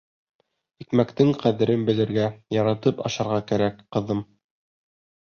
— Икмәктең ҡәҙерен белергә, яратып ашарға кәрәк, ҡыҙым.